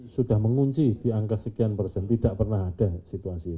sudah mengunci di angka sekian persen tidak pernah ada situasi